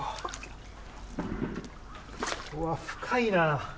うわっ、深いな。